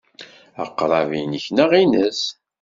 Aqrab-a inek neɣ ines?